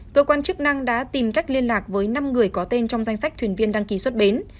cơ quan chức năng đã tìm cách liên lạc với năm người có tên trong danh sách thuyền viên đăng ký xuất bến